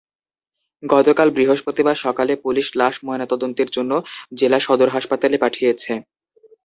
গতকাল বৃহস্পতিবার সকালে পুলিশ লাশ ময়নাতদন্তের জন্য জেলা সদর হাসপাতালে পাঠিয়েছে।